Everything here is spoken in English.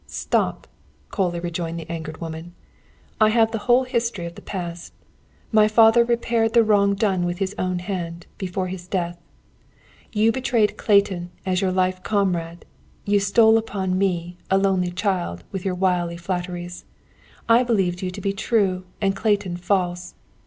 "Stop!" coldly rejoined the angered woman. "I have the whole history of the past. My father repaired the wrong done with his own hand, before his death. "You betrayed Clayton, as your life comrade; you stole upon me, a lonely child, with your wily flatteries. I believed you to be true, and Clayton false.